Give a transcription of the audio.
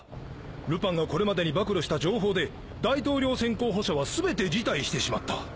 ルパンがこれまでに暴露した情報で大統領選候補者は全て辞退してしまった。